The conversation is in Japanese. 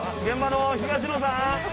現場の東野さん。